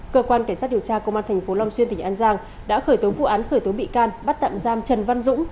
cơ quan cảnh sát điều tra công an tp long xuyên tỉnh an giang đã khởi tố vụ án khởi tố bị can bắt tạm giam trần văn dũng